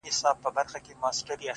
o تک سپين کالي کړيدي،